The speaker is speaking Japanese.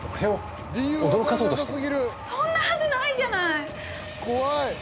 そんなはずないじゃない！